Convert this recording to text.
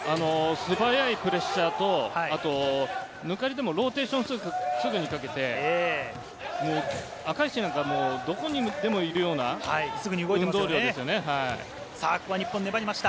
素早いプレッシャーと抜かれてもローテーションをかけて赤石なんかはどこにでもいるような運動量ですよね。